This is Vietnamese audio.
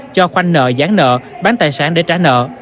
cho khoanh nợ gián nợ bán tài sản để trả nợ